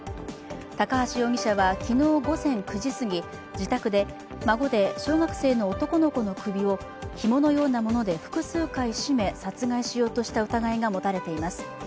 高橋容疑者は昨日午前９時すぎ、自宅で孫で小学生の男の子の首をひものようなもので複数回締め、殺害しようとした疑いが持たれています。